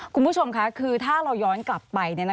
คุณผู้ชมค่ะคือถ้าเราย้อนกลับไป